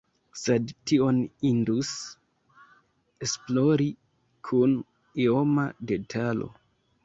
Sed tion indus esplori kun ioma detalo.